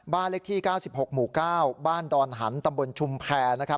บ้านเลขที่๙๖หมู่๙บ้านดอนหันตำบลชุมแพรนะครับ